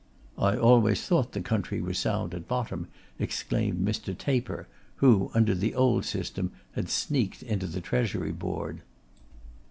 'I always thought the country was sound at bottom,' exclaimed Mr. Taper, who, under the old system, had sneaked into the Treasury Board.